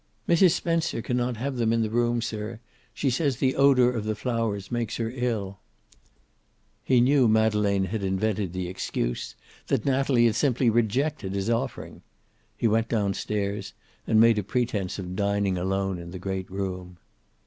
"Mrs. Spencer can not have them in the room, sir. She says the odor of flowers makes her ill." He knew Madeleine had invented the excuse, that Natalie had simply rejected his offering. He went down stairs, and made a pretense of dining alone in the great room.